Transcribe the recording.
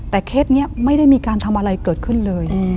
แต่เคสนี้ไม่ได้มีการทำอะไรเกิดขึ้นเลย